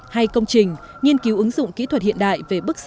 hay công trình nghiên cứu ứng dụng kỹ thuật hiện đại về bức xúc